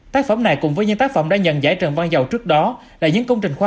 tác phẩm này cùng với những tác phẩm đã nhận giải trần văn dầu trước đó là những công trình khoa